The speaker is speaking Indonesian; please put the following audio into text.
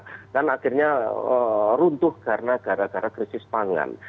pangan akhirnya runtuh gara gara krisis pangan